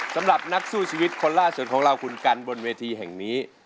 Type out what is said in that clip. สำหรับนักสู้ชีวิตคนล่าสุดของเราคุณกันบนเวทีแห่งนี้